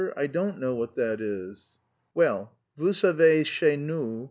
I don't know what that is." "Well... _Vous savez chez nous...